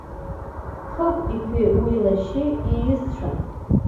Хыгә иԥеи уи лашьеи еиҩызцәан.